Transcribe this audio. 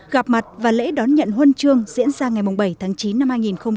gặp mặt và lễ đón nhận huân chương diễn ra ngày bảy tháng chín năm hai nghìn hai mươi